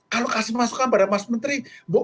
kalau kasih masukan pada mas menteri